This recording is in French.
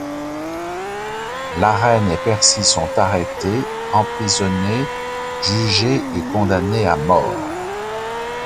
La reine et Percy sont arrêtés, emprisonnés, jugés et condamnés à mort.